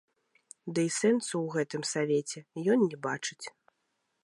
Ды й сэнсу ў гэтым савеце ён не бачыць.